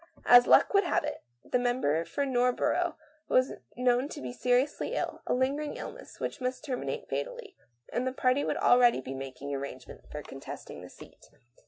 As luck would have it, the member for Northborough was known to be seriously ill, a lingering ill ness which must terminate fatally, and the party were already making arrangements for contesting the seat.